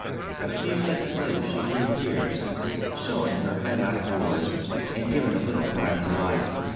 A few seconds later she reappears, showing her head out of doors and giving a little cry of delight.